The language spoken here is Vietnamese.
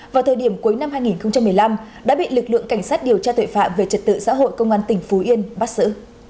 vào thời điểm cuối năm hai nghìn một mươi năm đã bị lực lượng cảnh sát điều tra tuệ phạm về trật tự xã hội công an tỉnh phú yên bắt xử